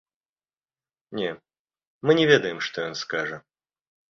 Не, мы не ведаем, што ён скажа.